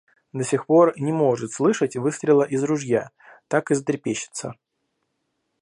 До сих пор не может слышать выстрела из ружья: так и затрепещется.